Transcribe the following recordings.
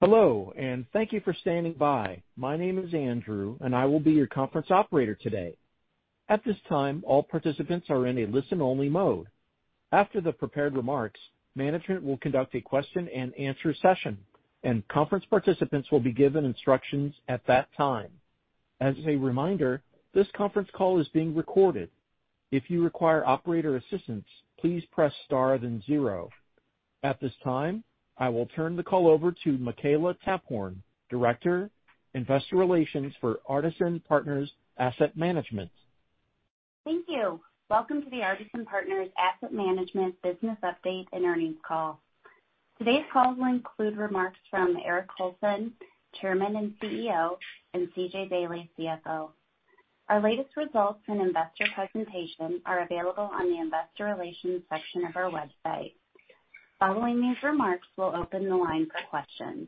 Hello. Thank you for standing by. My name is Andrew. I will be your conference operator today. At this time, all participants are in a listen-only mode. After the prepared remarks, management will conduct a question and answer session. Conference participants will be given instructions at that time. As a reminder, this conference call is being recorded. If you require operator assistance, please press star then zero. At this time, I will turn the call over to Makela Taphorn, Director, Investor Relations for Artisan Partners Asset Management. Thank you. Welcome to the Artisan Partners Asset Management business update and earnings call. Today's call will include remarks from Eric Colson, Chairman and CEO, and C.J. Daley, CFO. Our latest results and investor presentation are available on the investor relations section of our website. Following these remarks, we'll open the line for questions.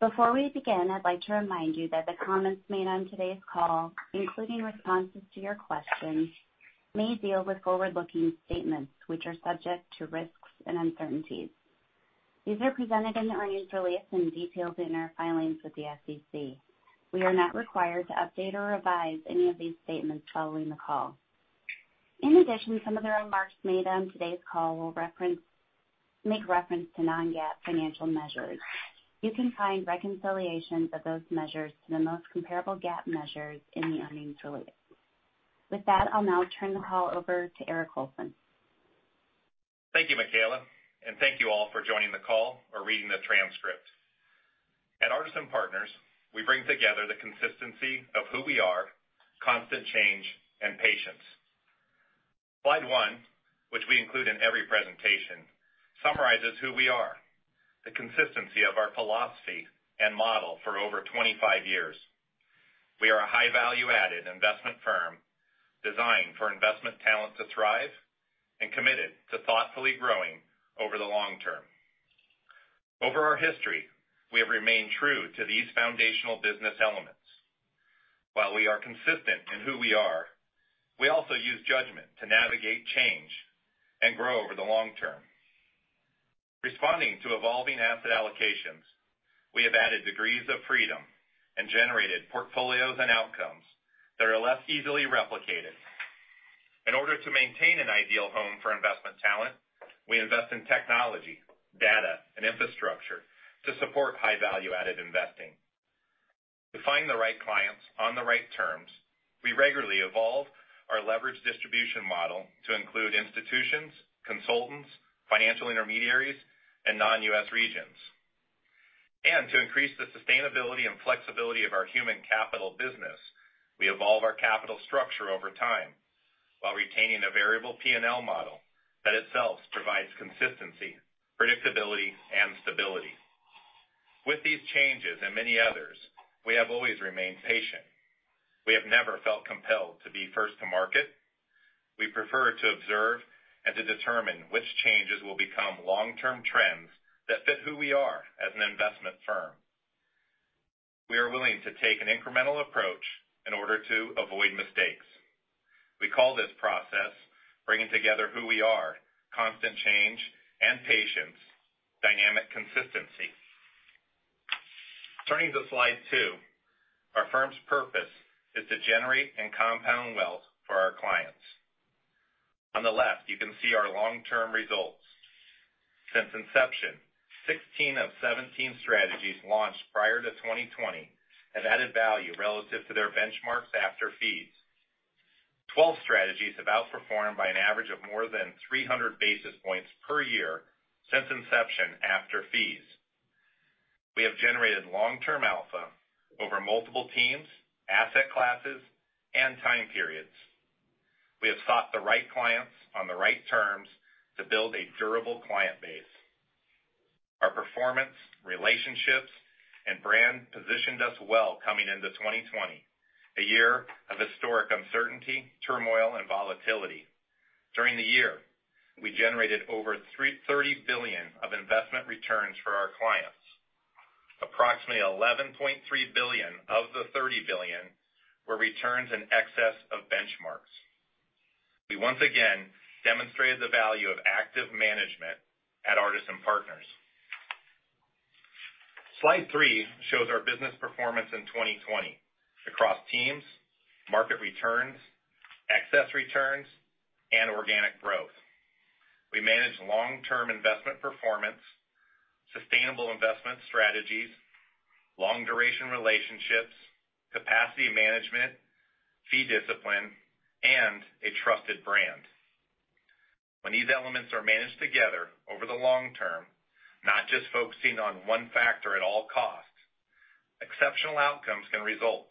Before we begin, I'd like to remind you that the comments made on today's call, including responses to your questions, may deal with forward-looking statements which are subject to risks and uncertainties. These are presented in the earnings release and detailed in our filings with the SEC. We are not required to update or revise any of these statements following the call. In addition, some of the remarks made on today's call will make reference to non-GAAP financial measures. You can find reconciliations of those measures to the most comparable GAAP measures in the earnings release. With that, I'll now turn the call over to Eric Colson. Thank you, Makela, and thank you all for joining the call or reading the transcript. At Artisan Partners, we bring together the consistency of who we are, constant change, and patience. Slide one, which we include in every presentation, summarizes who we are, the consistency of our philosophy and model for over 25 years. We are a high value-added investment firm designed for investment talent to thrive and committed to thoughtfully growing over the long term. Over our history, we have remained true to these foundational business elements. While we are consistent in who we are, we also use judgment to navigate change and grow over the long term. Responding to evolving asset allocations, we have added degrees of freedom and generated portfolios and outcomes that are less easily replicated. In order to maintain an ideal home for investment talent, we invest in technology, data, and infrastructure to support high value-added investing. To find the right clients on the right terms, we regularly evolve our leverage distribution model to include institutions, consultants, financial intermediaries, and non-U.S. regions. To increase the sustainability and flexibility of our human capital business, we evolve our capital structure over time while retaining a variable P&L model that itself provides consistency, predictability, and stability. With these changes and many others, we have always remained patient. We have never felt compelled to be first to market. We prefer to observe and to determine which changes will become long-term trends that fit who we are as an investment firm. We are willing to take an incremental approach in order to avoid mistakes. We call this process bringing together who we are, constant change and patience, dynamic consistency. Turning to slide two, our firm's purpose is to generate and compound wealth for our clients. On the left, you can see our long-term results. Since inception, 16 of 17 strategies launched prior to 2020 have added value relative to their benchmarks after fees. 12 strategies have outperformed by an average of more than 300 basis points per year since inception, after fees. We have generated long-term alpha over multiple teams, asset classes, and time periods. We have sought the right clients on the right terms to build a durable client base. Our performance, relationships, and brand positioned us well coming into 2020, a year of historic uncertainty, turmoil, and volatility. During the year, we generated over $30 billion of investment returns for our clients. Approximately $11.3 billion of the $30 billion were returns in excess of benchmarks. We once again demonstrated the value of active management at Artisan Partners. Slide three shows our business performance in 2020 across teams, market returns, excess returns, and organic growth. We manage long-term investment performance, sustainable investment strategies, long-duration relationships, capacity management, fee discipline, and a trusted brand. When these elements are managed together over the long term, not just focusing on one factor at all costs, exceptional outcomes can result.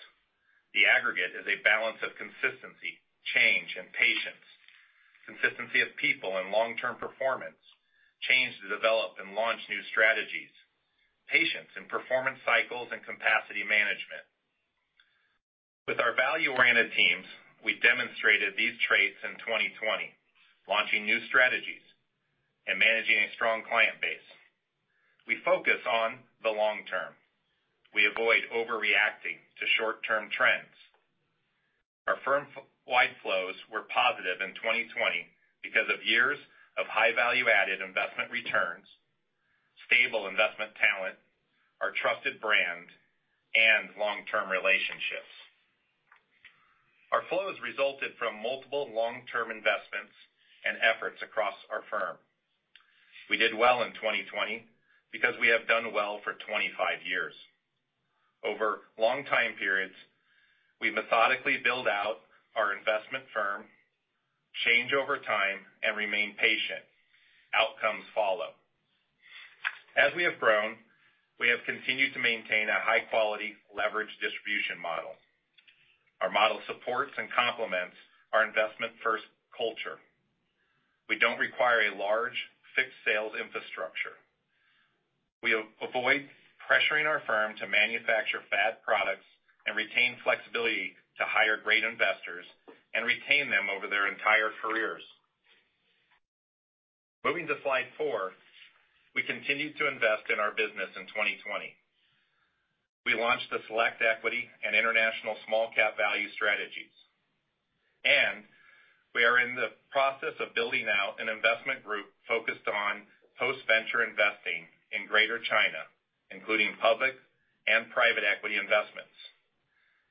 The aggregate is a balance of consistency, change, and patience. Consistency of people and long-term performance, change to develop and launch new strategies, patience in performance cycles and capacity management. With our value-oriented teams, we demonstrated these traits in 2020, launching new strategies and managing a strong client base. We focus on the long term. We avoid overreacting to short-term trends. Our firm-wide flows were positive in 2020 because of years of high value-added investment returns, stable investment talent, our trusted brand, and long-term relationships. Our flows resulted from multiple long-term investments and efforts across our firm. We did well in 2020 because we have done well for 25 years. Over long time periods, we methodically build out our investment firm, change over time, and remain patient. Outcomes follow. As we have grown, we have continued to maintain a high-quality leverage distribution model. Our model supports and complements our investment-first culture. We don't require a large fixed sales infrastructure. We avoid pressuring our firm to manufacture fad products and retain flexibility to hire great investors and retain them over their entire careers. Moving to slide four. We continued to invest in our business in 2020. We launched the Select Equity and International Small Cap Value strategies, and we are in the process of building out an investment group focused on post-venture investing in Greater China, including public and private equity investments.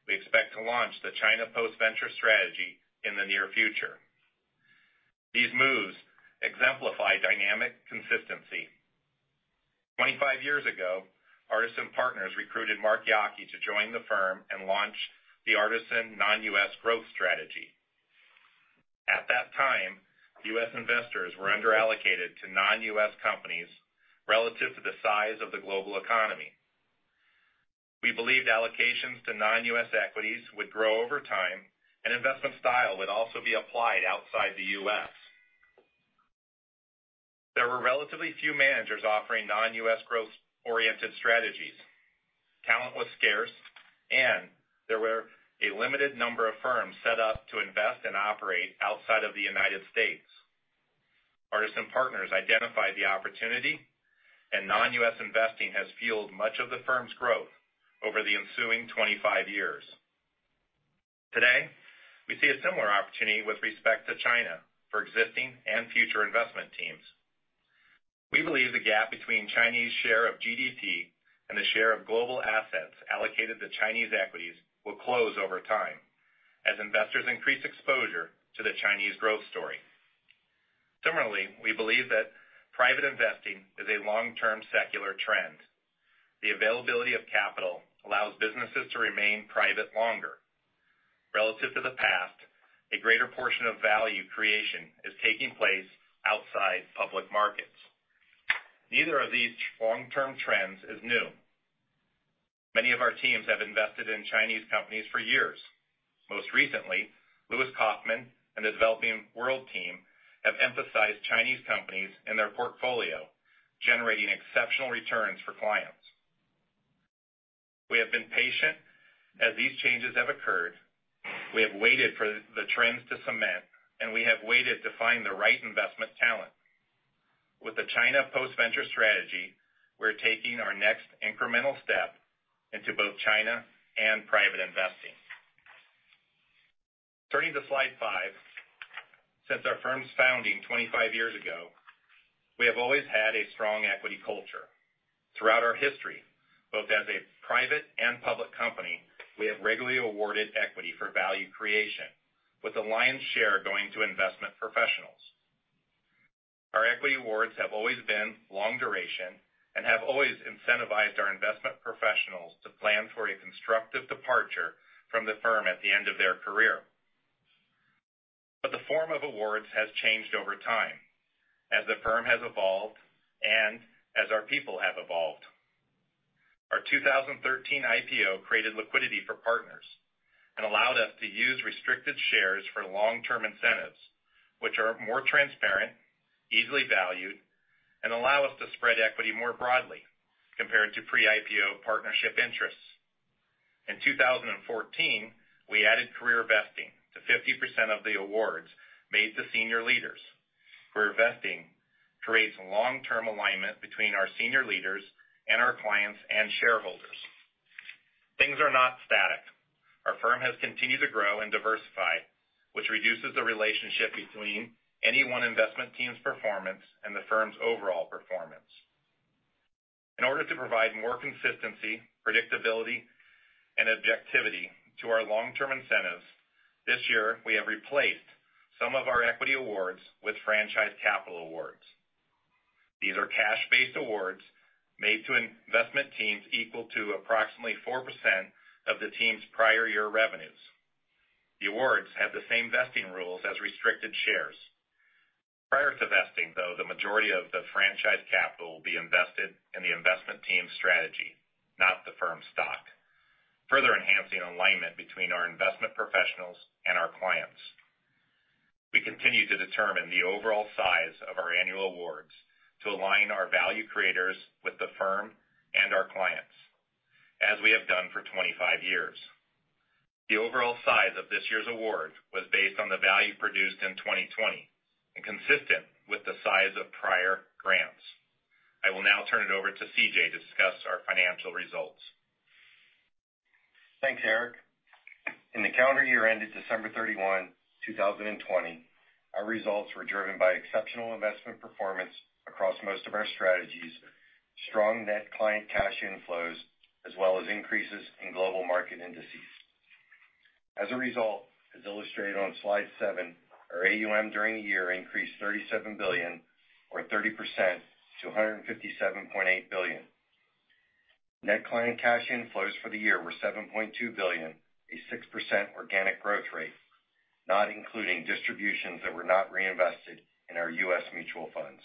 We expect to launch the China Post-Venture strategy in the near future. These moves exemplify dynamic consistency. 25 years ago, Artisan Partners recruited Mark Yockey to join the firm and launch the Artisan Non-U.S. Growth strategy. At that time, U.S. investors were under-allocated to non-U.S. companies relative to the size of the global economy. We believed allocations to non-U.S. equities would grow over time and investment style would also be applied outside the U.S. There were relatively few managers offering non-U.S. growth-oriented strategies. Talent was scarce, and there were a limited number of firms set up to invest and operate outside of the United States. Artisan Partners identified the opportunity, and non-U.S. investing has fueled much of the firm's growth over the ensuing 25 years. Today, we see a similar opportunity with respect to China for existing and future investment teams. We believe the gap between Chinese share of GDP and the share of global assets allocated to Chinese equities will close over time as investors increase exposure to the Chinese growth story. Similarly, we believe that private investing is a long-term secular trend. The availability of capital allows businesses to remain private longer. Relative to the past, a greater portion of value creation is taking place outside public markets. Neither of these long-term trends is new. Many of our teams have invested in Chinese companies for years. Most recently, Lewis Kaufman and the Developing World team have emphasized Chinese companies in their portfolio, generating exceptional returns for clients. We have been patient as these changes have occurred, we have waited for the trends to cement, and we have waited to find the right investment talent. With the China Post-Venture strategy, we're taking our next incremental step into both China and private investing. Turning to slide five. Since our firm's founding 25 years ago, we have always had a strong equity culture. Throughout our history, both as a private and public company, we have regularly awarded equity for value creation, with the lion's share going to investment professionals. Our equity awards have always been long duration and have always incentivized our investment professionals to plan for a constructive departure from the firm at the end of their career. The form of awards has changed over time as the firm has evolved and as our people have evolved. Our 2013 IPO created liquidity for partners and allowed us to use restricted shares for long-term incentives, which are more transparent, easily valued, and allow us to spread equity more broadly compared to pre-IPO partnership interests. In 2014, we added career vesting to 50% of the awards made to senior leaders, where vesting creates long-term alignment between our senior leaders and our clients and shareholders. Things are not static. Our firm has continued to grow and diversify, which reduces the relationship between any one investment team's performance and the firm's overall performance. In order to provide more consistency, predictability, and objectivity to our long-term incentives, this year, we have replaced some of our equity awards with franchise capital awards. These are cash-based awards made to investment teams equal to approximately 4% of the team's prior year revenues. The awards have the same vesting rules as restricted shares. Prior to vesting, though, the majority of the franchise capital will be invested in the investment team's strategy, not the firm's stock, further enhancing alignment between our investment professionals and our clients. We continue to determine the overall size of our annual awards to align our value creators with the firm and our clients, as we have done for 25 years. The overall size of this year's award was based on the value produced in 2020 and consistent with the size of prior grants. I will now turn over to C.J. to discuss our financial results. Thanks, Eric. In the calendar year ended December 31, 2020, our results were driven by exceptional investment performance across most of our strategies, strong net client cash inflows, as well as increases in global market indices. As a result, as illustrated on slide seven, our AUM during the year increased $37 billion, or 30%, to $157.8 billion. Net client cash inflows for the year were $7.2 billion, a 6% organic growth rate, not including distributions that were not reinvested in our U.S. mutual funds.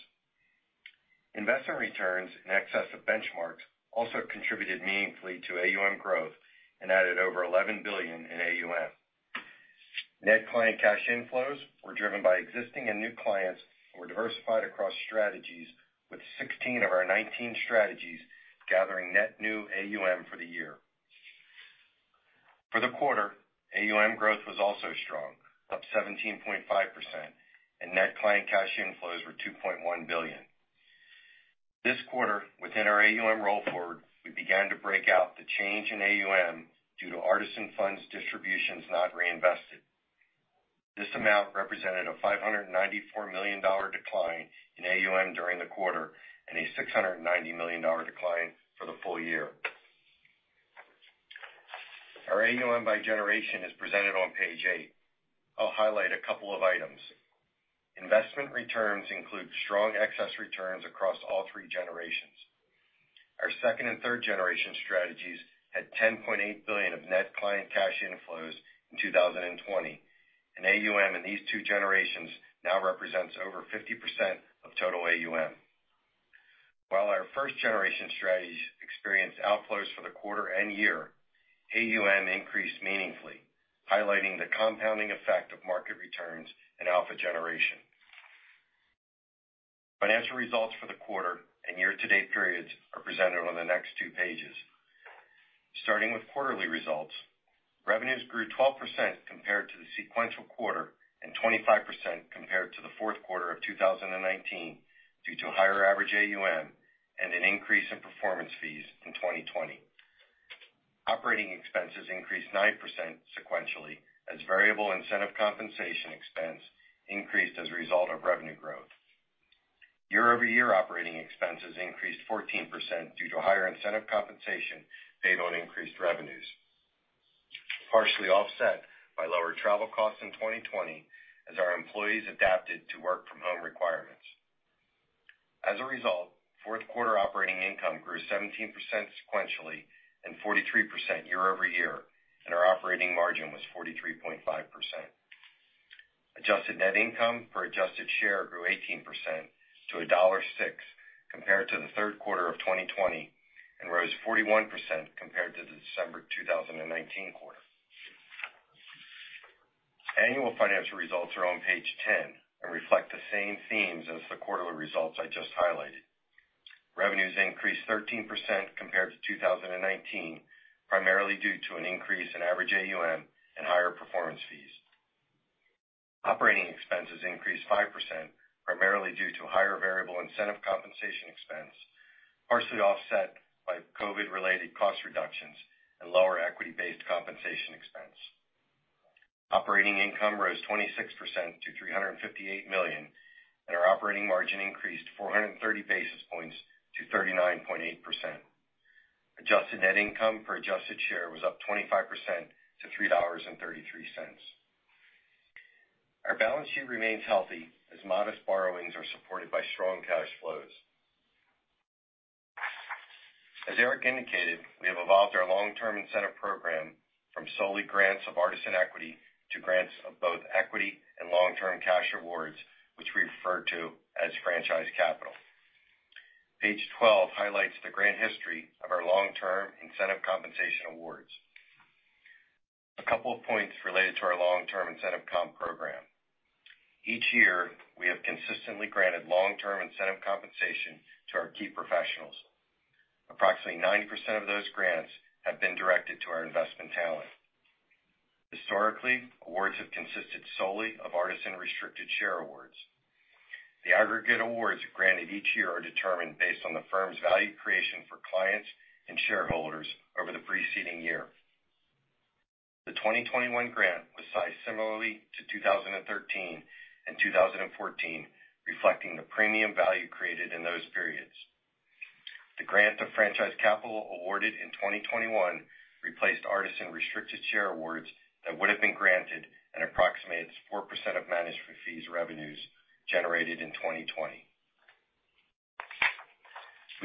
Investment returns in excess of benchmarks also contributed meaningfully to AUM growth and added over $11 billion in AUM. Net client cash inflows were driven by existing and new clients, and were diversified across strategies, with 16 of our 19 strategies gathering net new AUM for the year. For the quarter, AUM growth was also strong, up 17.5%, and net client cash inflows were $2.1 billion. This quarter, within our AUM roll forward, we began to break out the change in AUM due to Artisan Funds distributions not reinvested. This amount represented a $594 million decline in AUM during the quarter, and a $690 million decline for the full year. Our AUM by generation is presented on page eight. I'll highlight a couple of items. Investment returns include strong excess returns across all three generations. Our second and third generation strategies had $10.8 billion of net client cash inflows in 2020. AUM in these two generations now represents over 50% of total AUM. While our first generation strategies experienced outflows for the quarter and year, AUM increased meaningfully, highlighting the compounding effect of market returns and alpha generation. Financial results for the quarter and year-to-date periods are presented on the next two pages. Starting with quarterly results, revenues grew 12% compared to the sequential quarter and 25% compared to the fourth quarter of 2019, due to higher average AUM and an increase in performance fees in 2020. Operating expenses increased 9% sequentially, as variable incentive compensation expense increased as a result of revenue growth. Year-over-year operating expenses increased 14% due to higher incentive compensation paid on increased revenues, partially offset by lower travel costs in 2020 as our employees adapted to work from home requirements. As a result, fourth quarter operating income grew 17% sequentially and 43% year-over-year, and our operating margin was 43.5%. Adjusted net income per adjusted share grew 18% to $1.06 compared to the third quarter of 2020, and rose 41% compared to the December 2019 quarter. Annual financial results are on page 10, and reflect the same themes as the quarterly results I just highlighted. Revenues increased 13% compared to 2019, primarily due to an increase in average AUM and higher performance fees. Operating expenses increased 5%, primarily due to higher variable incentive compensation expense, partially offset by COVID-related cost reductions and lower equity-based compensation expense. Operating income rose 26% to $358 million, and our operating margin increased 430 basis points to 39.8%. Adjusted net income per adjusted share was up 25% to $3.33. Our balance sheet remains healthy as modest borrowings are supported by strong cash flows. As Eric indicated, we have evolved our long-term incentive program from solely grants of Artisan equity to grants of both equity and long-term cash awards, which we refer to as franchise capital. Page 12 highlights the grant history of our long-term incentive compensation awards. A couple of points related to our long-term incentive comp program. Each year, we have consistently granted long-term incentive compensation to our key professionals. Approximately 90% of those grants have been directed to our investment talent. Historically, awards have consisted solely of Artisan restricted share awards. The aggregate awards granted each year are determined based on the firm's value creation for clients and shareholders over the preceding year. The 2021 grant was sized similarly to 2013 and 2014, reflecting the premium value created in those periods. The grant of franchise capital awarded in 2021 replaced Artisan restricted share awards that would have been granted and approximates 4% of management fees revenues generated in 2020.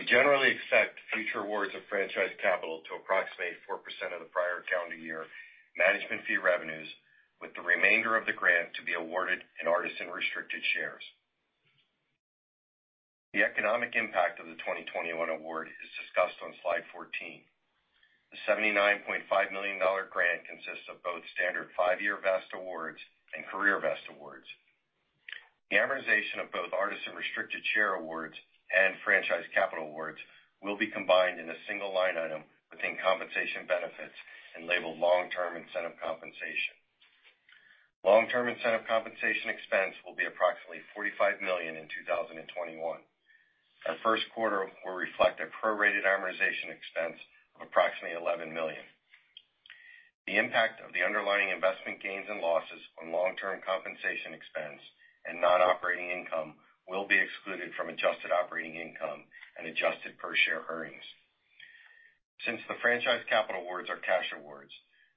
We generally expect future awards of franchise capital to approximate 4% of the prior calendar year management fee revenues, with the remainder of the grant to be awarded in Artisan restricted shares. The economic impact of the 2021 award is discussed on slide 14. The $79.5 million grant consists of both standard five-year vest awards and career vest awards. The amortization of both Artisan restricted share awards and Franchise Capital awards will be combined in a single line item within compensation benefits and labeled long-term incentive compensation. Long-term incentive compensation expense will be approximately $45 million in 2021. Our first quarter will reflect a prorated amortization expense of approximately $11 million. The impact of the underlying investment gains and losses on long-term compensation expense and non-operating income will be excluded from adjusted operating income and adjusted per share earnings. Since the Franchise Capital awards are cash awards,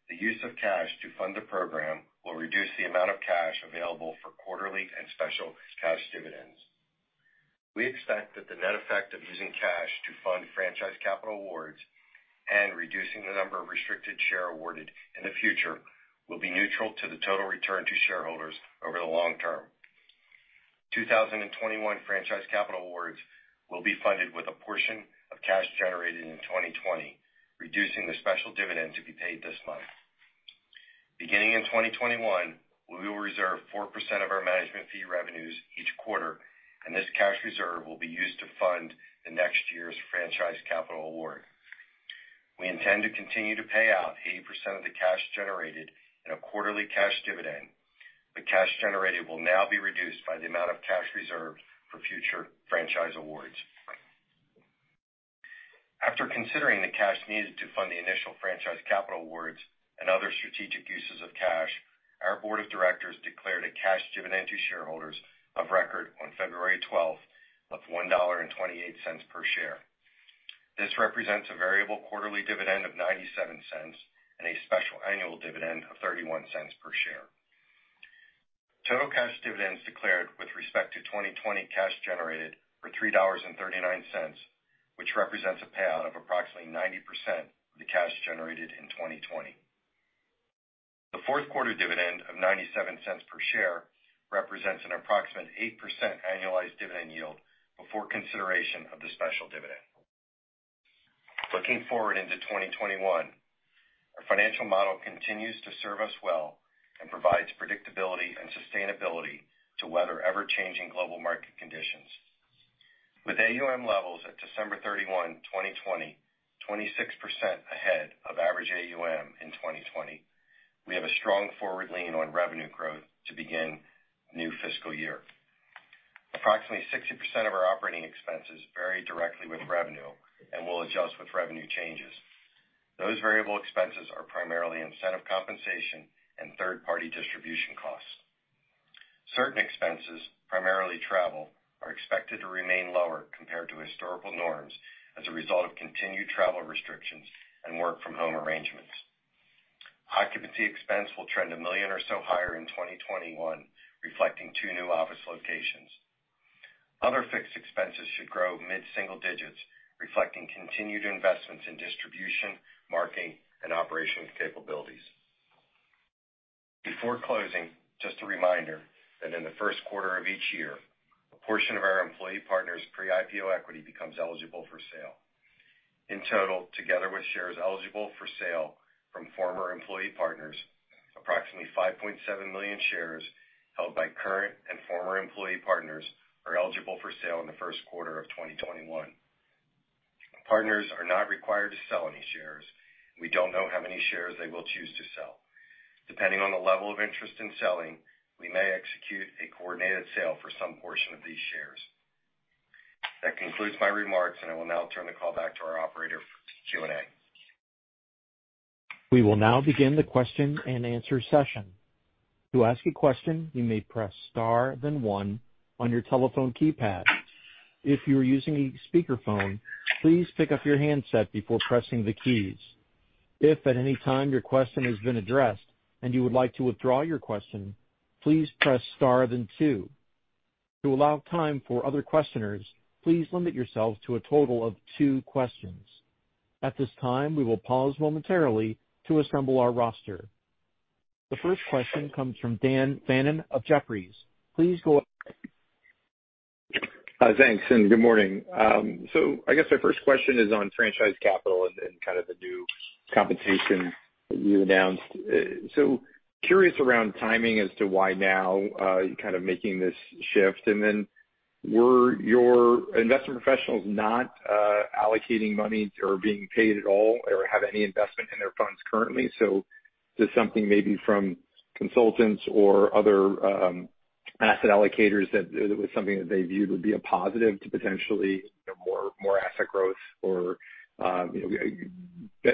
the use of cash to fund the program will reduce the amount of cash available for quarterly and special cash dividends. We expect that the net effect of using cash to fund franchise capital awards and reducing the number of restricted shares awarded in the future will be neutral to the total return to shareholders over the long term. 2021 franchise capital awards will be funded with a portion of cash generated in 2020, reducing the special dividend to be paid this month. Beginning in 2021, we will reserve 4% of our management fee revenues each quarter, and this cash reserve will be used to fund the next year's franchise capital award. We intend to continue to pay out 80% of the cash generated in a quarterly cash dividend. The cash generated will now be reduced by the amount of cash reserved for future franchise awards. After considering the cash needed to fund the initial franchise capital awards and other strategic uses of cash, our board of directors declared a cash dividend to shareholders of record on February 12th of $1.28 per share. This represents a variable quarterly dividend of $0.97 and a special annual dividend of $0.31 per share. Total cash dividends declared with respect to 2020 cash generated were $3.39, which represents a payout of approximately 90% of the cash generated in 2020. The fourth quarter dividend of $0.97 per share represents an approximate 8% annualized dividend yield before consideration of the special dividend. Looking forward into 2021, our financial model continues to serve us well and provides predictability and sustainability to weather ever-changing global market conditions. With AUM levels at December 31, 2020, 26% ahead of average AUM in 2020, we have a strong forward lean on revenue growth to begin the new fiscal year. Approximately 60% of our operating expenses vary directly with revenue and will adjust with revenue changes. Those variable expenses are primarily incentive compensation and third-party distribution costs. Certain expenses, primarily travel, are expected to remain lower compared to historical norms as a result of continued travel restrictions and work-from-home arrangements. Occupancy expense will trend $1 million or so higher in 2021, reflecting two new office locations. Other fixed expenses should grow mid-single digits, reflecting continued investments in distribution, marketing, and operations capabilities. Before closing, just a reminder that in the first quarter of each year, a portion of our employee partners' pre-IPO equity becomes eligible for sale. In total, together with shares eligible for sale from former employee partners, approximately 5.7 million shares held by current and former employee partners are eligible for sale in the first quarter of 2021. Partners are not required to sell any shares. We don't know how many shares they will choose to sell. Depending on the level of interest in selling, we may execute a coordinated sale for some portion of these shares. That concludes my remarks, and I will now turn the call back to our operator for Q&A. We will now begin the question and answer session. To ask a question, you may press star then one on your telephone keypad. If you are using a speakerphone, please pick up your handset before pressing the keys. If at any time your question has been addressed and you would like to withdraw your question, please press star then two. To allow time for other questioners, please limit yourself to a total of two questions. At this time, we will pause momentarily to assemble our roster. The first question comes from Dan Fannon of Jefferies. Please go ahead. Thanks, good morning. I guess my first question is on franchise capital and the new compensation that you announced. Curious around timing as to why now you're making this shift. Were your investment professionals not allocating money or being paid at all or have any investment in their funds currently? Just something maybe from consultants or other asset allocators that was something that they viewed would be a positive to potentially more asset growth or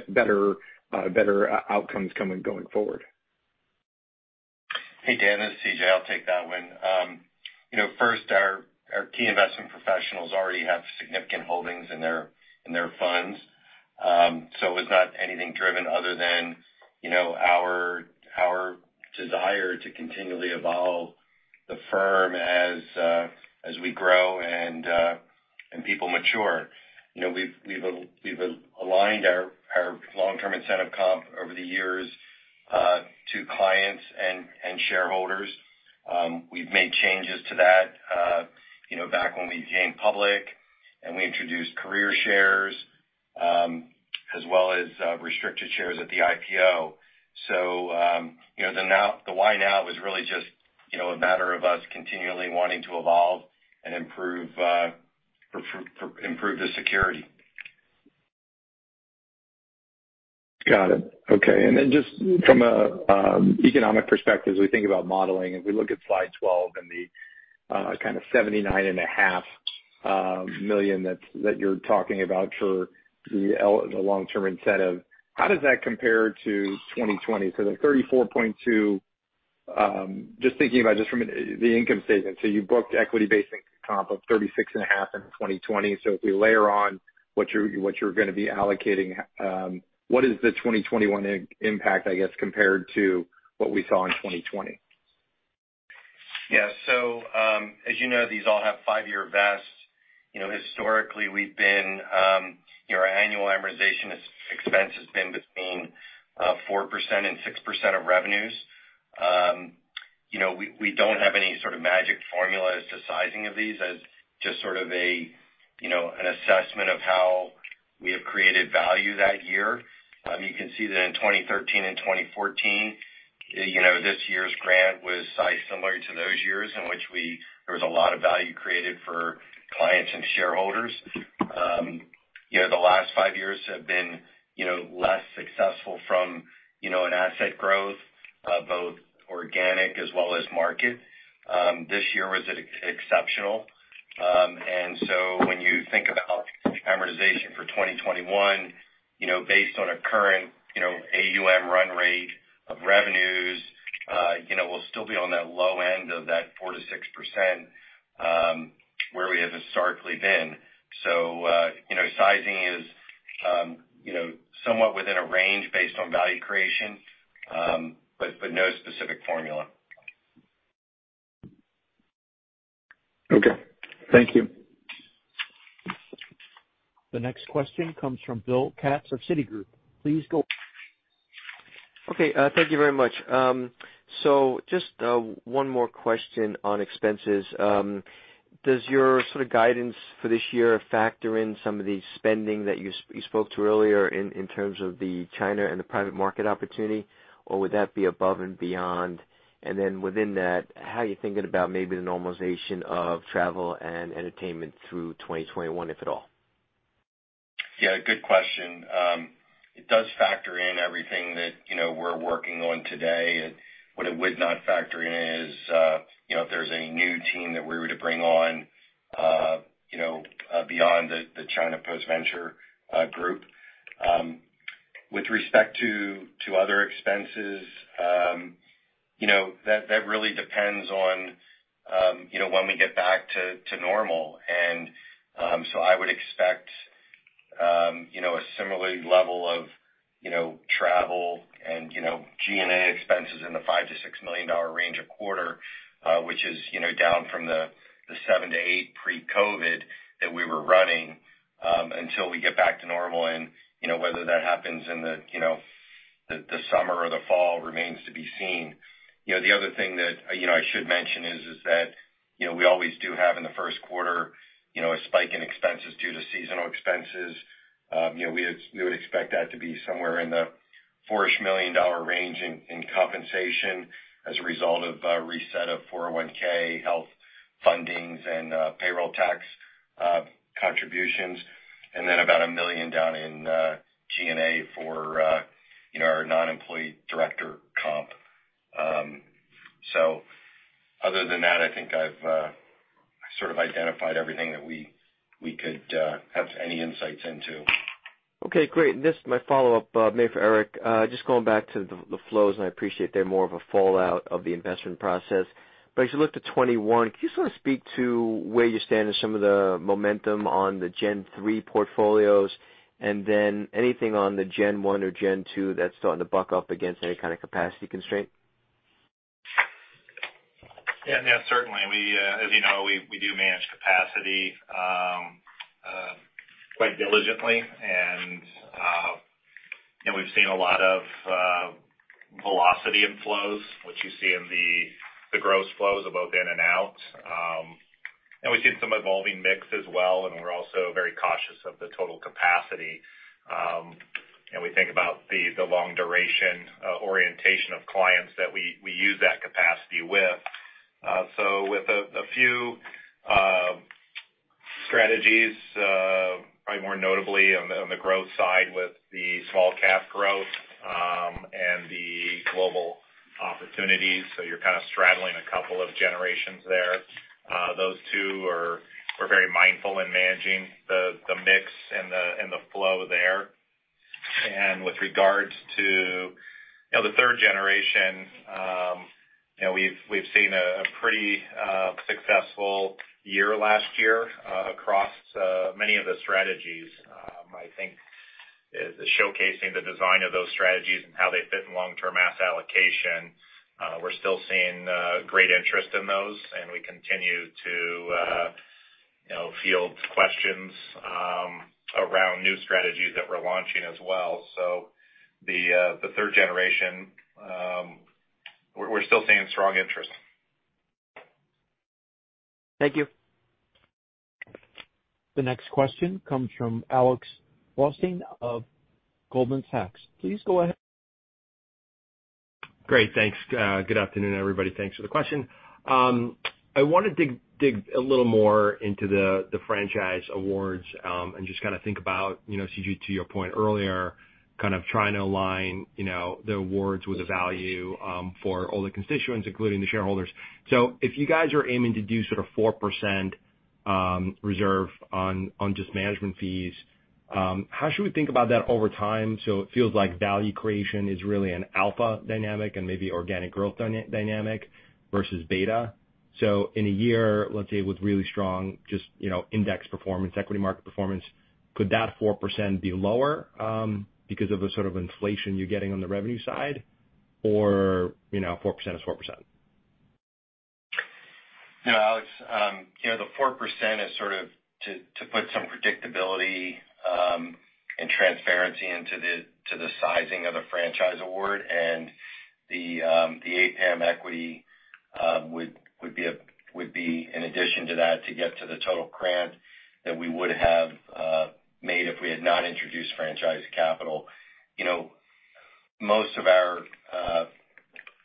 better outcomes going forward. Hey, Dan, it's CJ. I'll take that one. First, our key investment professionals already have significant holdings in their funds. It was not anything driven other than our desire to continually evolve the firm as we grow and people mature. We've aligned our long-term incentive comp over the years to clients and shareholders. We've made changes to that back when we came public and we introduced career shares as well as restricted shares at the IPO. The why now was really just a matter of us continually wanting to evolve and improve the security Got it. Okay. Just from an economic perspective, as we think about modeling, if we look at slide 12 and the $79.5 million that you're talking about for the long-term incentive, how does that compare to 2020? The $34.2, just thinking about it from the income statement. You booked equity-based comp of $36.5 in 2020. If we layer on what you're going to be allocating, what is the 2021 impact, I guess, compared to what we saw in 2020? Yeah. As you know, these all have five-year vests. Historically, our annual amortization expense has been between 4% and 6% of revenues. We don't have any sort of magic formula as to sizing of these. That is just sort of an assessment of how we have created value that year. You can see that in 2013 and 2014, this year's grant was sized similar to those years in which there was a lot of value created for clients and shareholders. The last five years have been less successful from an asset growth, both organic as well as market. This year was exceptional. When you think about amortization for 2021 based on a current AUM run rate of revenues, we'll still be on that low end of that 4%-6%, where we have historically been. Sizing is somewhat within a range based on value creation, but no specific formula. Okay. Thank you. The next question comes from Bill Katz of Citigroup. Please go ahead. Okay. Thank you very much. Just one more question on expenses. Does your sort of guidance for this year factor in some of the spending that you spoke to earlier in terms of the China and the private market opportunity, or would that be above and beyond? Within that, how are you thinking about maybe the normalization of travel and entertainment through 2021, if at all? Good question. It does factor in everything that we're working on today. What it would not factor in is if there's any new team that we were to bring on beyond the China Post-Venture group. With respect to other expenses, that really depends on when we get back to normal. I would expect a similar level of travel and G&A expenses in the $5 million-$6 million range a quarter, which is down from the $7 million-$8 million pre-COVID that we were running, until we get back to normal. Whether that happens in the summer or the fall remains to be seen. The other thing that I should mention is that we always do have in the first quarter, a spike in expenses due to seasonal expenses. We would expect that to be somewhere in the $4-ish million range in compensation as a result of a reset of 401(k) health fundings and payroll tax contributions, and then about $1 million down in G&A for our non-employee director comp. Other than that, I think I've sort of identified everything that we could have any insights into. Okay, great. This is my follow-up maybe for Eric. Just going back to the flows, I appreciate they're more of a fallout of the investment process. As you look to 2021, can you sort of speak to where you stand in some of the momentum on the Gen 3 portfolios, anything on the Gen 1 or Gen 2 that's starting to buck up against any kind of capacity constraint? Yeah, certainly. As you know, we do manage capacity quite diligently. We've seen a lot of velocity in flows, which you see in the gross flows of both in and out. We've seen some evolving mix as well, and we're also very cautious of the total capacity. We think about the long duration orientation of clients that we use that capacity with. With a few strategies, probably more notably on the growth side with the Small-Cap Growth and the Global Opportunities. You're kind of straddling a couple of generations there. Those two are very mindful in managing the mix and the flow there. With regards to the third generation, we've seen a pretty successful year last year across many of the strategies. I think showcasing the design of those strategies and how they fit in long-term asset allocation. We're still seeing great interest in those, and we continue to field questions around new strategies that we're launching as well. The third generation, we're still seeing strong interest. Thank you. The next question comes from Alex Blostein of Goldman Sachs. Please go ahead. Great. Thanks. Good afternoon, everybody. Thanks for the question. I want to dig a little more into the franchise awards, and just think about to your point earlier, trying to align the awards with the value for all the constituents, including the shareholders. If you guys are aiming to do a 4% reserve on just management fees, how should we think about that over time? It feels like value creation is really an alpha dynamic and maybe organic growth dynamic versus beta. In a year, let's say with really strong, just index performance, equity market performance, could that 4% be lower, because of the sort of inflation you're getting on the revenue side? 4% is 4%? No, Alex. The 4% is sort of to put some predictability and transparency into the sizing of the franchise award and the APAM equity would be an addition to that to get to the total grant that we would have made if we had not introduced franchise capital.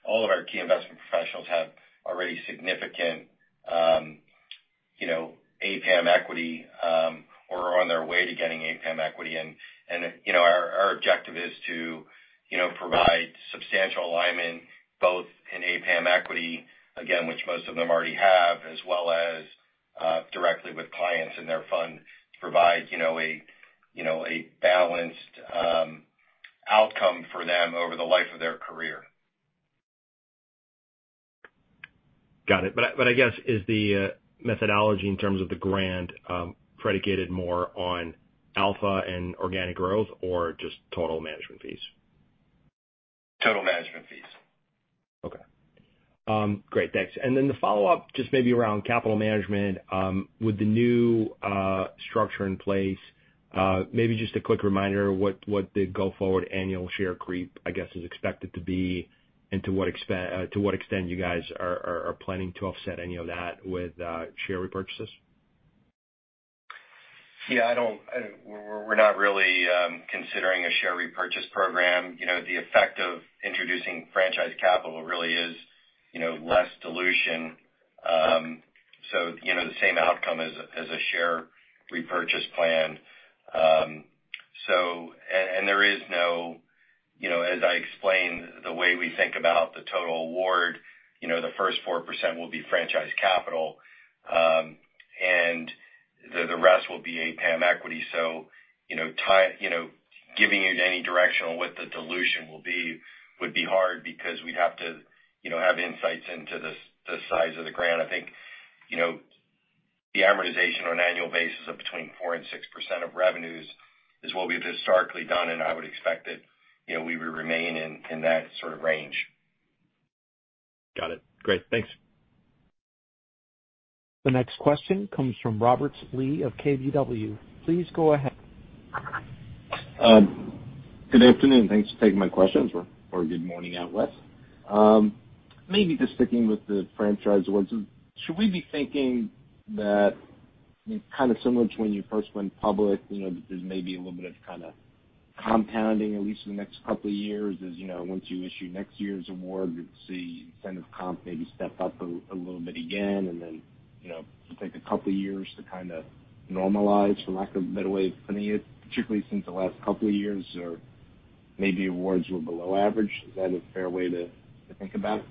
All of our key investment professionals have already significant APAM equity, or are on their way to getting APAM equity. Our objective is to provide substantial alignment both in APAM equity, again, which most of them already have, as well as, directly with clients and their fund to provide a balanced outcome for them over the life of their career. Got it. I guess is the methodology in terms of the grant, predicated more on alpha and organic growth or just total management fees? Total management fees. Okay. Great. Thanks. The follow-up just maybe around capital management, with the new structure in place, maybe just a quick reminder what the go-forward annual share creep, I guess, is expected to be and to what extent you guys are planning to offset any of that with share repurchases? We're not really considering a share repurchase program. The effect of introducing franchise capital really is less dilution. The same outcome as a share repurchase plan. As I explained, the way we think about the total award, the first 4% will be franchise capital, and the rest will be APAM equity. Giving you any direction on what the dilution will be would be hard because we'd have to have insights into the size of the grant. I think, the amortization on an annual basis of between 4% and 6% of revenues is what we've historically done, and I would expect that we would remain in that sort of range. Got it. Great. Thanks. The next question comes from Robert Lee of KBW. Please go ahead. Good afternoon. Thanks for taking my questions. Good morning out west. Maybe just sticking with the franchise awards. Should we be thinking that kind of similar to when you first went public, that there's maybe a little bit of compounding at least in the next couple of years as once you issue next year's award, we'll see incentive comp maybe step up a little bit again and then it'll take a couple of years to kind of normalize for lack of a better way of putting it, particularly since the last couple of years or maybe awards were below average. Is that a fair way to think about it?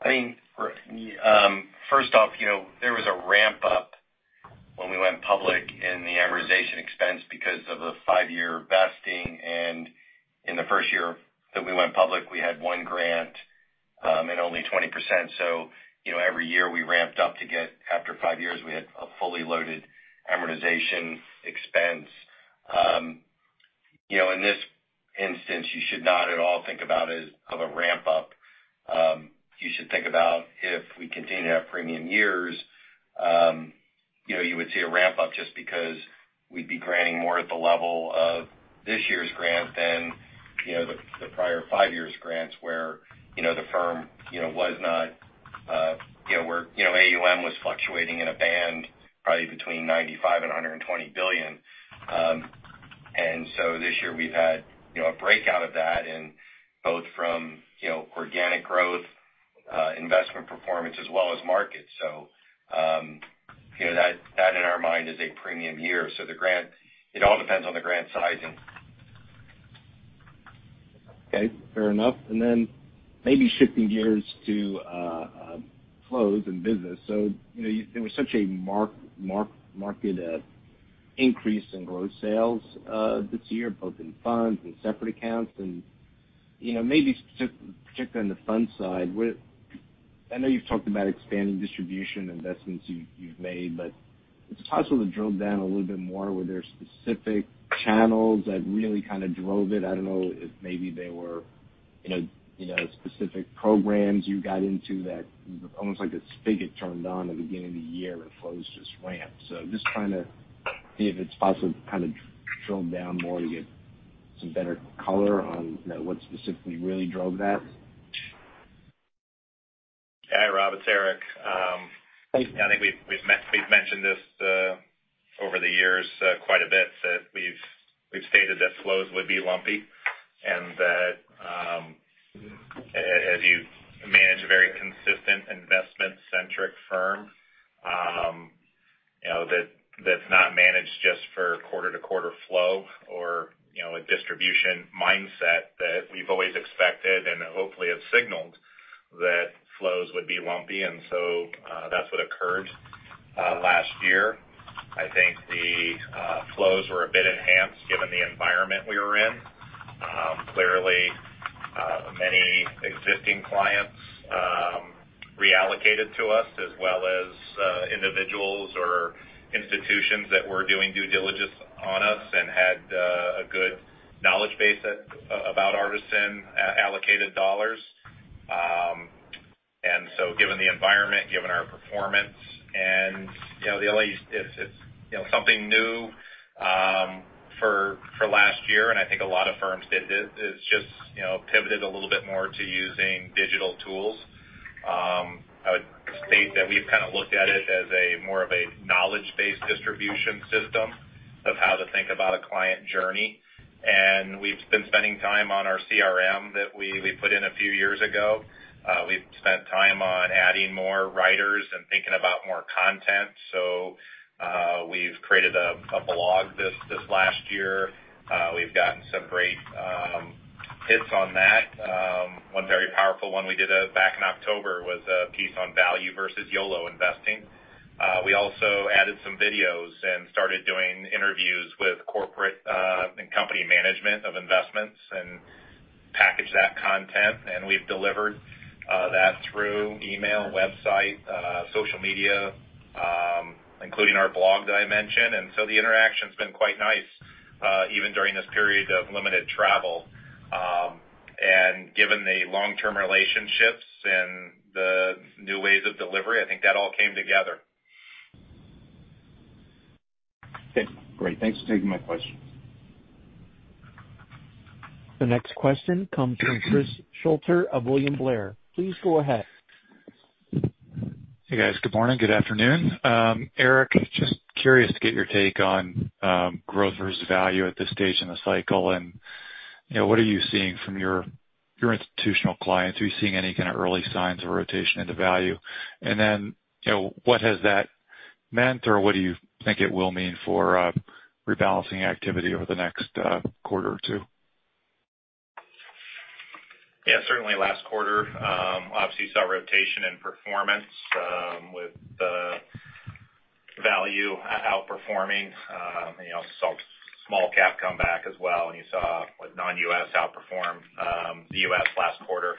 I think, first off, there was a ramp-up when we went public in the amortization expense because of a five-year vesting. In the first year that we went public, we had one grant, and only 20%. Every year we ramped up to get after five years, we had a fully loaded amortization expense. In this instance, you should not at all think about it as of a ramp-up. You should think about if we continue to have premium years, you would see a ramp-up just because we'd be granting more at the level of this year's grant than the prior five years grants where AUM was fluctuating in a band probably between $95 billion and $120 billion. This year we've had a breakout of that and both from organic growth, investment performance as well as market. That in our mind is a premium year. It all depends on the grant sizing. Okay. Fair enough. Then maybe shifting gears to flows and business. There was such a marked increase in gross sales this year, both in funds and separate accounts and maybe particularly on the fund side, I know you've talked about expanding distribution investments you've made, but it's possible to drill down a little bit more, were there specific channels that really drove it? I don't know if maybe there were specific programs you got into that almost like a spigot turned on at the beginning of the year and flows just ramped. Just trying to see if it's possible to kind of drill down more to get some better color on what specifically really drove that. Hi, Robert it's Eric. I think we've mentioned this over the years quite a bit, that we've stated that flows would be lumpy, and that as you manage a very consistent investment-centric firm that's not managed just for quarter-to-quarter flow or a distribution mindset that we've always expected, and hopefully have signaled that flows would be lumpy. That's what occurred last year. I think the flows were a bit enhanced given the environment we were in. Clearly, many existing clients reallocated to us as well as individuals or institutions that were doing due diligence on us and had a good knowledge base about Artisan allocated dollars. Given the environment, given our performance, and the only, something new for last year, and I think a lot of firms did this, is just pivoted a little bit more to using digital tools. I would state that we've kind of looked at it as a more of a knowledge-based distribution system of how to think about a client journey. We've been spending time on our CRM that we put in a few years ago. We've spent time on adding more writers and thinking about more content. We've created a blog this last year. We've gotten some great hits on that. One very powerful one we did back in October was a piece on value versus YOLO investing. We also added some videos and started doing interviews with corporate and company management of investments, packaged that content, we've delivered that through email, website, social media, including our blog that I mentioned. The interaction's been quite nice, even during this period of limited travel. Given the long-term relationships and the new ways of delivery, I think that all came together. Okay, great. Thanks for taking my question. The next question comes from Chris Shutler of William Blair. Please go ahead. Hey, guys. Good morning, good afternoon. Eric, just curious to get your take on growth versus value at this stage in the cycle, and what are you seeing from your institutional clients? Are you seeing any kind of early signs of rotation into value? What has that meant, or what do you think it will mean for rebalancing activity over the next quarter or two? Yeah, certainly last quarter, obviously, saw rotation in performance, with the value outperforming. You saw small cap come back as well, and you saw non-U.S. outperform the U.S. last quarter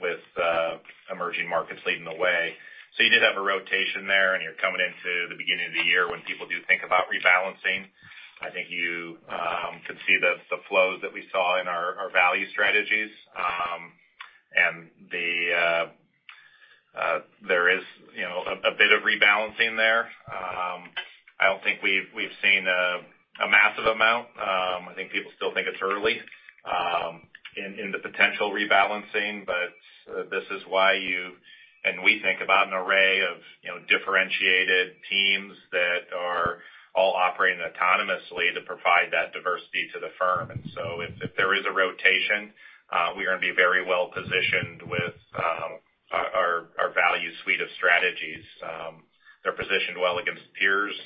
with emerging markets leading the way. You did have a rotation there, and you're coming into the beginning of the year when people do think about rebalancing. I think you can see the flows that we saw in our value strategies. There is a bit of rebalancing there. I don't think we've seen a massive amount. I think people still think it's early in the potential rebalancing. This is why you, and we think about an array of differentiated teams that are all operating autonomously to provide that diversity to the firm. If there is a rotation, we are going to be very well-positioned with our value suite of strategies. They're positioned well against peers.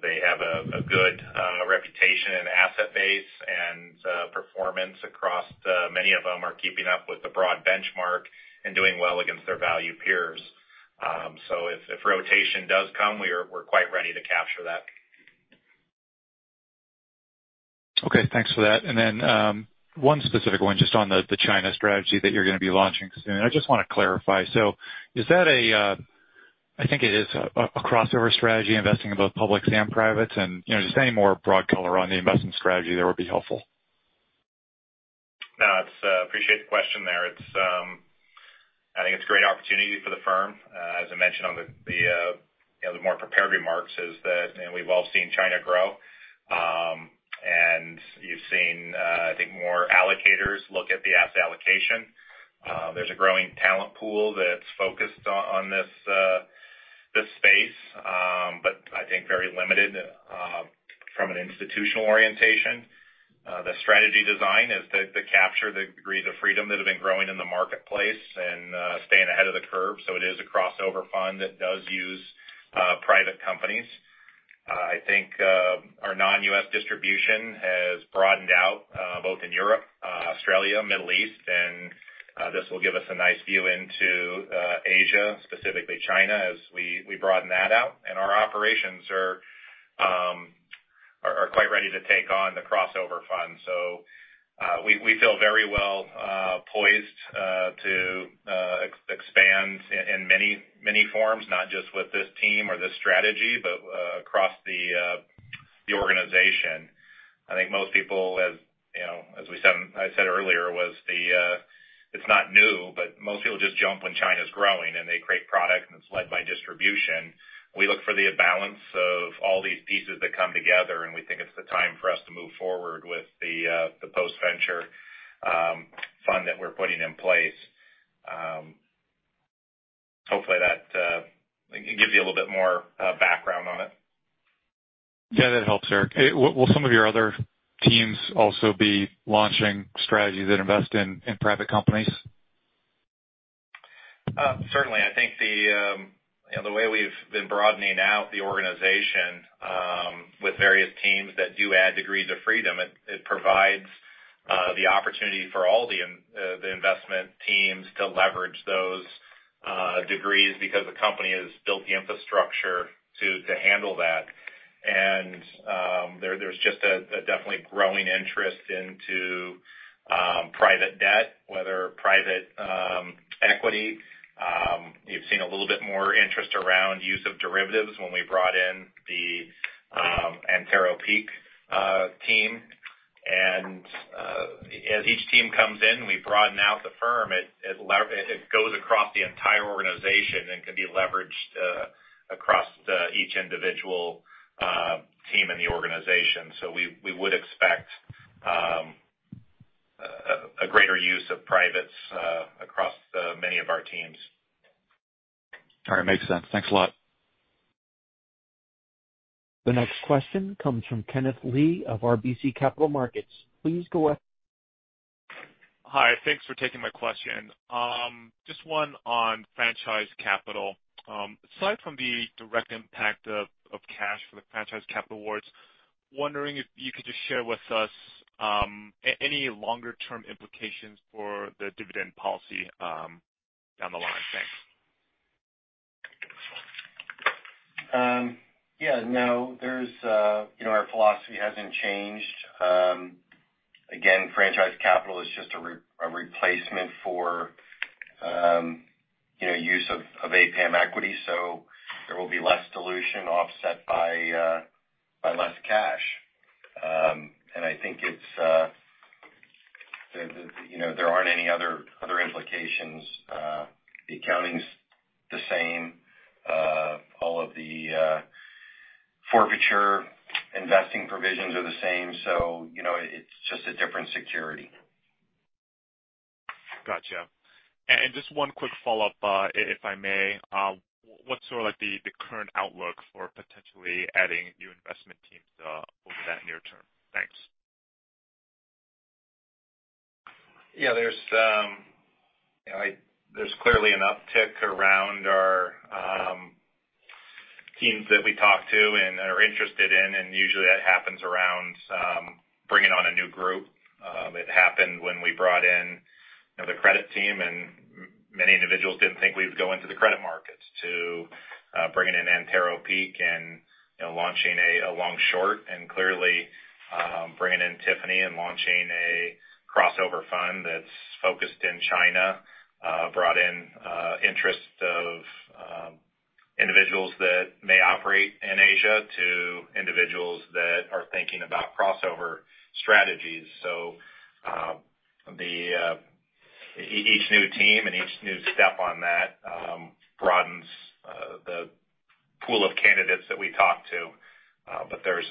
They have a good reputation and asset base, and performance across many of them are keeping up with the broad benchmark and doing well against their value peers. If rotation does come, we're quite ready to capture that. Okay, thanks for that. One specific one just on the China strategy that you're going to be launching soon. I just want to clarify. I think it is a crossover strategy, investing in both publics and privates. Just any more broad color on the investment strategy there would be helpful. No, I appreciate the question there. I think it's a great opportunity for the firm. As I mentioned on the more prepared remarks, is that we've all seen China grow. You've seen, I think, more allocators look at the asset allocation. There's a growing talent pool that's focused on this space. I think very limited from an institutional orientation. The strategy design is to capture the degrees of freedom that have been growing in the marketplace and staying ahead of the curve. It is a crossover fund that does use private companies. I think our non-U.S. distribution has broadened out both in Europe, Australia, Middle East, and this will give us a nice view into Asia, specifically China, as we broaden that out. Our operations are quite ready to take on the crossover fund. We feel very well poised to expand in many forms, not just with this team or this strategy, but across the organization. I think most people, as I said earlier, it's not new, but most people just jump when China's growing, and they create product, and led by distribution. We look for the balance of all these pieces that come together, and we think it's the time for us to move forward with the Post-Venture Fund that we're putting in place. Hopefully that gives you a little bit more background on it. Yeah, that helps, Eric. Will some of your other teams also be launching strategies that invest in private companies? Certainly. I think the way we've been broadening out the organization with various teams that do add degrees of freedom, it provides the opportunity for all the investment teams to leverage those degrees because the company has built the infrastructure to handle that. There's just a definitely growing interest into private debt, whether private equity. You've seen a little bit more interest around use of derivatives when we brought in the Antero Peak team. As each team comes in, we broaden out the firm. It goes across the entire organization and can be leveraged across each individual team in the organization. We would expect a greater use of privates across many of our teams. All right. Makes sense. Thanks a lot. The next question comes from Kenneth Lee of RBC Capital Markets. Please go ahead. Hi. Thanks for taking my question. Just one on franchise capital. Aside from the direct impact of cash for the franchise capital awards, wondering if you could just share with us any longer term implications for the dividend policy down the line. Thanks. Yeah, no. Our philosophy hasn't changed. Franchise capital is just a replacement for use of APAM equity, there will be less dilution offset by less cash. I think there aren't any other implications. The accounting's the same. All of the forfeiture investing provisions are the same. It's just a different security. Got you. Just one quick follow-up, if I may. What's sort of the current outlook for potentially adding new investment teams over that near term? Thanks. Yeah, there's clearly an uptick around our teams that we talk to and are interested in, usually that happens around bringing on a new group. It happened when we brought in the credit team, many individuals didn't think we'd go into the credit markets to bringing in Antero Peak and launching a long short. Clearly, bringing in Tiffany and launching a crossover fund that's focused in China brought in interest of individuals that may operate in Asia to individuals that are thinking about crossover strategies. Each new team and each new step on that broadens the pool of candidates that we talk to. There's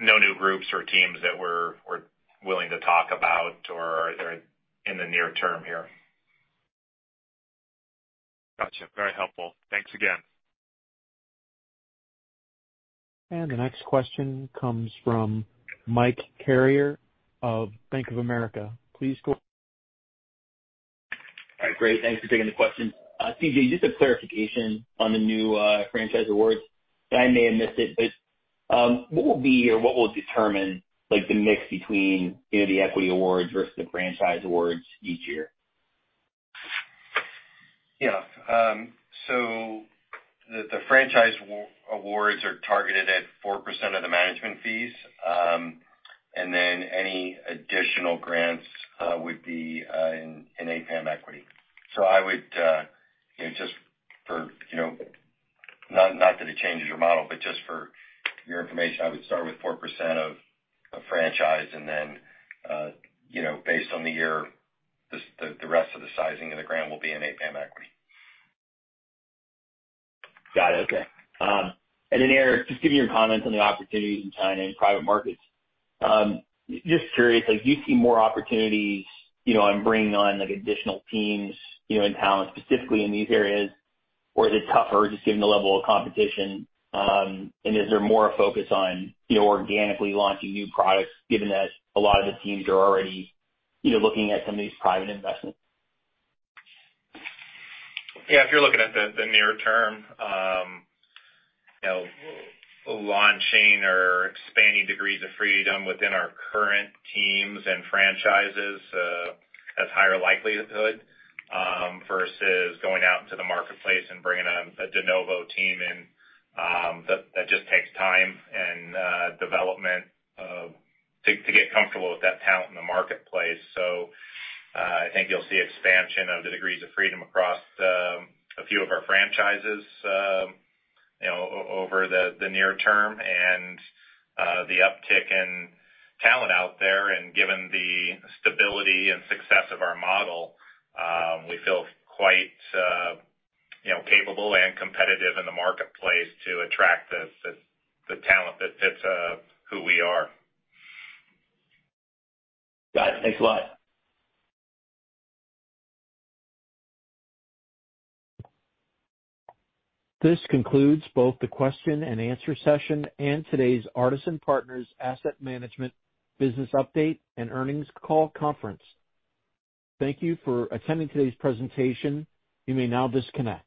no new groups or teams that we're willing to talk about or are there in the near term here. Got you. Very helpful. Thanks again. The next question comes from Mike Carrier of Bank of America. Please go ahead. All right. Great. Thanks for taking the question. C.J., just a clarification on the new franchise awards. I may have missed it, but what will be or what will determine the mix between the equity awards versus the franchise awards each year? The franchise awards are targeted at 4% of the management fees. Any additional grants would be in APAM equity. Not that it changes your model, for your information, I would start with 4% of franchise, based on the year, the rest of the sizing of the grant will be in APAM equity. Got it. Okay. Eric, just given your comments on the opportunities in China and private markets. Just curious, do you see more opportunities on bringing on additional teams in talent, specifically in these areas? Or is it tougher just given the level of competition? Is there more a focus on organically launching new products, given that a lot of the teams are already looking at some of these private investments? If you're looking at the near term, launching or expanding degrees of freedom within our current teams and franchises has higher likelihood versus going out into the marketplace and bringing on a de novo team in. That just takes time and development to get comfortable with that talent in the marketplace. I think you'll see expansion of the degrees of freedom across a few of our franchises over the near term. The uptick in talent out there, and given the stability and success of our model, we feel quite capable and competitive in the marketplace to attract the talent that fits who we are. Got it. Thanks a lot. This concludes both the question and answer session and today's Artisan Partners Asset Management business update and earnings call conference. Thank you for attending today's presentation. You may now disconnect.